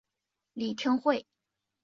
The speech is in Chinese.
李天惠是美国数学家与企业家。